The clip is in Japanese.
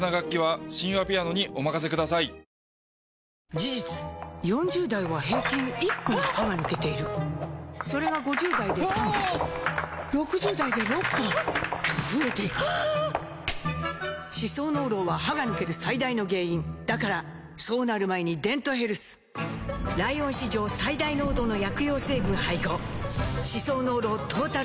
事実４０代は平均１本歯が抜けているそれが５０代で３本６０代で６本と増えていく歯槽膿漏は歯が抜ける最大の原因だからそうなる前に「デントヘルス」ライオン史上最大濃度の薬用成分配合歯槽膿漏トータルケア！